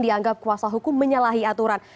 dianggap kuasa hukum menyalahi aturan